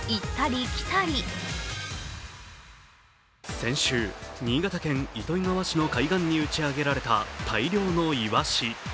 先週、新潟県糸魚川市の海岸に打ち上げられた大量のいわし。